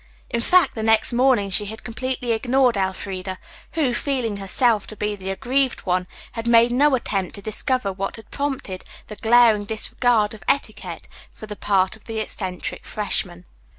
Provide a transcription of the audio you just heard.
In fact, the next morning she had completely ignored Elfreda, who, feeling herself to be the aggrieved one, had made no attempt to discover what had prompted this glaring disregard of etiquette on the part of the eccentric freshman.